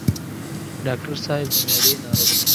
ډاکټر صاحب د معدې ناروغ دی.